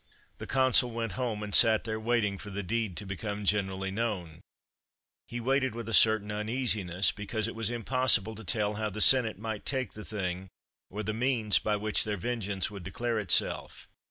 The Consul went home, and sat there waiting for the deed to become generally known. He waited with a certain uneasiness, because it was impossible to tell how the Senate might take the thing, or the means by which their vengeance would declare itself.